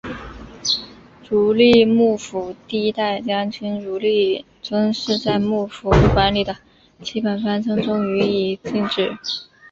足利幕府第一代将军足利尊氏在幕府管理的基本方针中予以禁止。